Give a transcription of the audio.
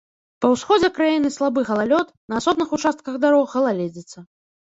Па ўсходзе краіны слабы галалёд, на асобных участках дарог галаледзіца.